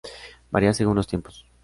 Varia según los tiempos.